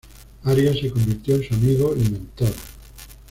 Arias se convirtió en su amigo y mentor.